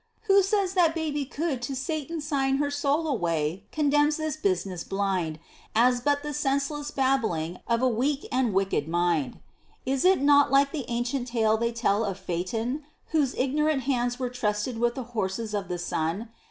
who says that baby could To Satan sign her soul away condemns this business blind, As but the senseless babbling of a weak and wicked mind. "Is it not like the ancient tale they tell of Phaeton, Whose ignorant hands were trusted with the horses of the sun?